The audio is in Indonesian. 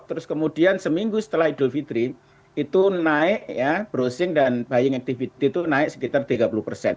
terus kemudian seminggu setelah idul fitri itu naik ya browsing dan buying activity itu naik sekitar tiga puluh persen